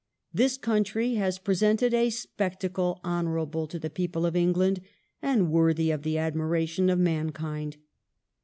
this country has presented a spectacle honourable to the people of England and worthy of the admiration of mankind."